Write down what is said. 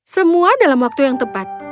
semua dalam waktu yang tepat